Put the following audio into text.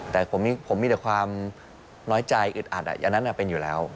แต่ผมมีแต่ความน้อยใจอึดอัดอันนั้นเป็นอยู่แล้ว